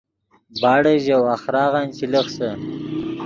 باڑے ژے وَخۡراغن چے لخسے